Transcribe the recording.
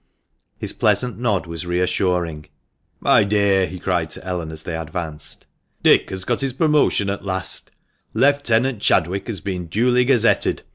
His pleasant nod was reassuring. " My dear," he cried to Ellen, as they advanced, " Dick has got his promotion at last ; Lieutenant Chadwick has been duly gazetted.